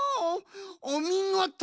おみごと！